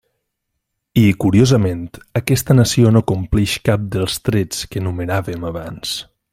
I curiosament, aquesta nació no compleix cap dels trets que enumeràvem abans.